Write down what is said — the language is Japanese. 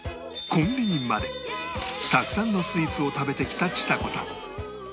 コンビニまでたくさんのスイーツを食べてきたちさ子さん